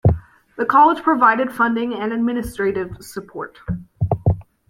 The college provided funding and administrative support.